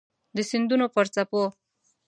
د سیندونو پر څپو